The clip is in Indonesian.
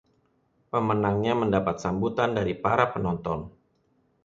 Pemenangnya mendapat sambutan dari para penonton.